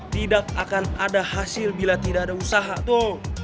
tidak akan ada hasil bila tidak ada usaha tuh